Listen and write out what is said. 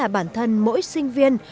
bản thân mỗi sinh viên